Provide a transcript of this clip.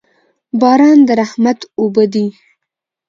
باران د رحمت اوبه دي